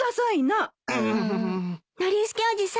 うん。